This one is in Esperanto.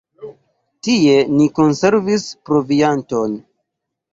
Tie ni konservis provianton.